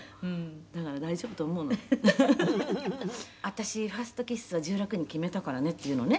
「“私ファーストキスは１６に決めたからね”って言うのね」